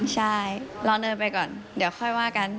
ใช่รอเดินไปก่อนเดี๋ยวค่อยว่ากัน